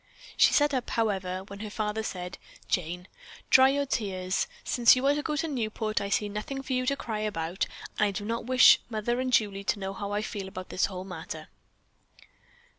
She sat up, however, when her father said, "Jane, dry your tears. Since you are to go to Newport, I see nothing for you to cry about, and I do not wish mother and Julie to know how I feel about this whole matter."